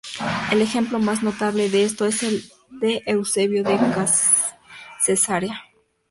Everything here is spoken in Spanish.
El ejemplo más notable de esto es el de Eusebio de Cesarea.